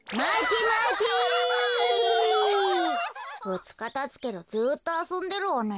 ふつかたつけどずっとあそんでるわね。